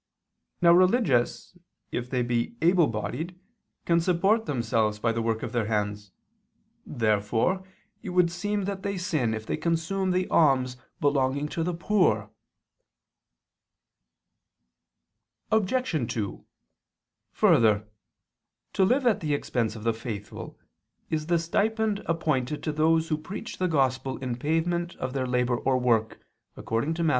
Now religious if they be able bodied can support themselves by the work of their hands. Therefore it would seem that they sin if they consume the alms belonging to the poor. Obj. 2: Further, to live at the expense of the faithful is the stipend appointed to those who preach the Gospel in payment of their labor or work, according to Matt.